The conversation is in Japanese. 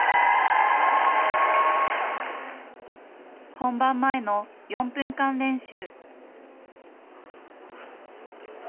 本番前の４分間練習。